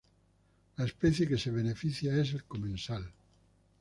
La especie que se beneficia es el comensal.